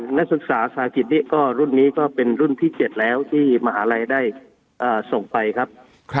นักศึกษาสาหกิจนี้ก็รุ่นนี้ก็เป็นรุ่นที่๗แล้วที่มหาลัยได้ส่งไปครับ